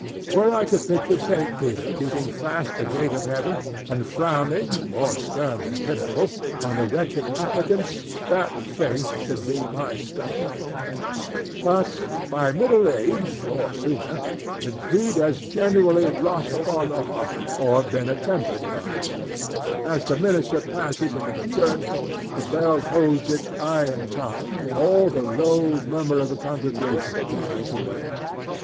Were I to picture Saint Peter keeping fast the gate of Heaven and frowning, more stern than pitiful, on the wretched applicants, that face should be my study. By middle age, or sooner, the creed has generally wrought upon the heart or been attempered by it. As the minister passes into the church the bell holds its iron tongue and all the low murmur of the congregation dies away.